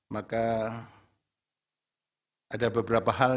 maka ada beberapa hal